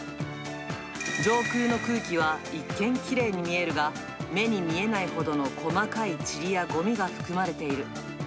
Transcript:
上空の空気は一見きれいに見えるが、目に見えないほどの細かいちりやごみが含まれている。